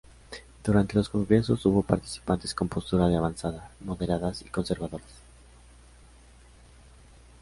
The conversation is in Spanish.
Durante los congresos hubo participantes con posturas de avanzada, moderadas y conservadoras.